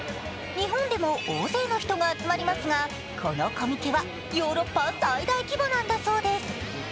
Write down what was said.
日本でも大勢の人が集まりますが、このコミケはヨーロッパ最大規模なんだそうです。